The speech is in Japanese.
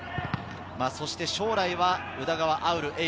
そして将来は宇田川侑